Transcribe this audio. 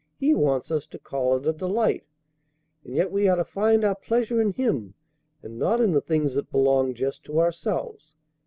He wants us to call it a delight. And yet we are to find our pleasure in Him, and not in the things that belong just to ourselves.